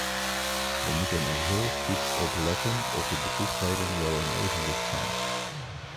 We moeten er heel goed op letten of de bevoegdheden wel in evenwicht zijn.